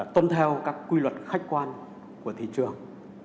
tuân theo các quy luật khách quan của thị trường